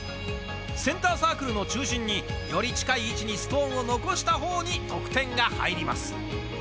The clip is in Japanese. センターサークルの中心に、より近い位置にストーンを残したほうに得点が入ります。